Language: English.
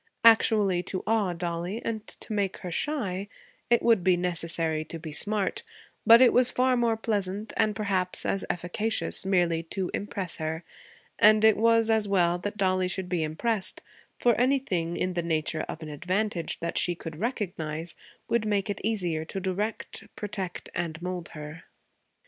Actually to awe Dollie and to make her shy, it would be necessary to be smart; but it was far more pleasant and perhaps as efficacious merely to impress her, and it was as well that Dollie should be impressed; for anything in the nature of an advantage that she could recognize would make it easier to direct, protect, and mould her.